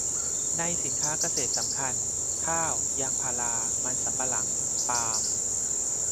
ในสินค้าเกษตรสำคัญ ข้าว ยางพารา มันสำปะหลัง ปาล์ม